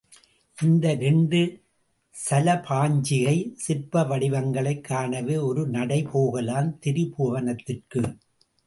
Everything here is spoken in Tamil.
இந்த இரண்டு சலபாஞ்சிகை சிற்பவடிவங்களைக் காணவே ஒரு நடை போகலாம் திரிபுவனத்திற்கு.